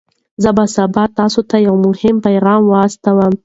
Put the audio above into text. زه به سبا تاسي ته یو مهم پیغام واستوم.